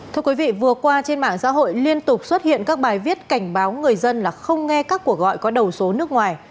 thưa quý vị vừa qua trên mạng xã hội liên tục xuất hiện các bài viết cảnh báo người dân là không nghe các cuộc gọi có đầu số nước ngoài